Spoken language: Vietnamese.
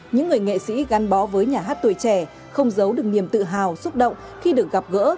những người nghệ sĩ gắn bó với nhà hát tuổi trẻ không giấu được niềm tự hào xúc động khi được gặp gỡ